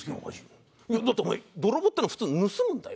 だってお前泥棒っていうのは普通盗むんだよ。